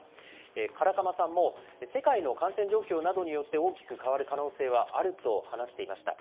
唐鎌さんも、世界の感染状況などによって大きく変わる可能性はあると話していました。